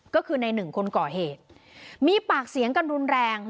ก็คือในหนึ่งคนก่อเหตุมีปากเสียงกันรุนแรง